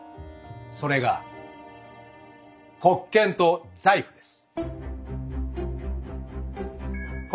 それが「国権」と「財富」です。